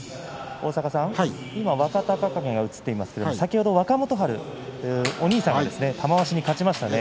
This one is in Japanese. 今、若隆景が映っていますが先ほど若元春お兄さんが玉鷲に勝ちました。